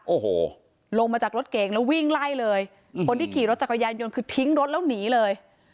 โอ้โหลงมาจากรถเก่งแล้ววิ่งไล่เลยคนที่ขี่รถจักรยานยนต์คือทิ้งรถแล้วหนีเลย